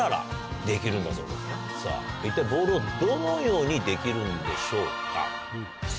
さぁ一体ボールをどのようにできるんでしょうか？